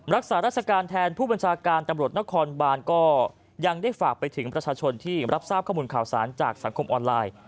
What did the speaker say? รักษาราชการแทนผู้บัญชาการตำรวจนครบานก็ยังได้ฝากไปถึงประชาชนที่รับทราบข้อมูลข่าวสารจากสังคมออนไลน์